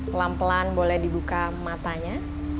pelan pelan boleh dibuka matanya